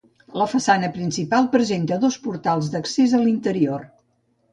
La façana principal presenta dos portals d'accés a l'interior.